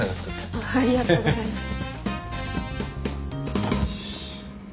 ありがとうございます。